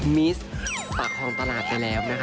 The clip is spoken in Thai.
มิสปากคลองตลาดไปแล้วนะคะ